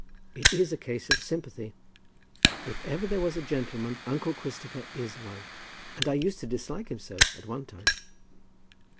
It is a case of sympathy. If ever there was a gentleman uncle Christopher is one. And I used to dislike him so, at one time!"